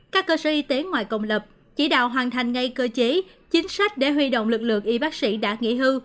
các cơ sở y tế ngoài công lập chỉ đạo hoàn thành ngay cơ chế chính sách để huy động lực lượng y bác sĩ đã nghỉ hưu